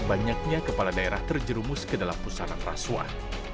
banyaknya kepala daerah terjerumus ke dalam pusaran rasuah